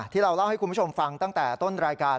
ที่เราเล่าให้คุณผู้ชมฟังตั้งแต่ต้นรายการ